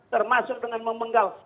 termasuk dengan memenggal